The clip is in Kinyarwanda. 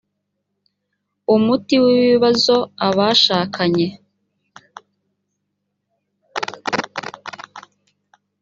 umuti w ibibazo abashakanye